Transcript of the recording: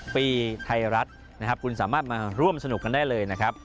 ๗๐ปีไทยรัสคุณสามารถมาร่วมสนุกกันได้เลยนะครับ